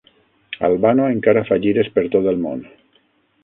Al Bano encara fa gires per tot el món.